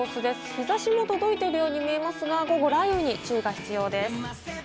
日差しも届いているように見えますが午後は雷雨に注意が必要です。